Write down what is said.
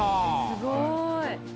すごい。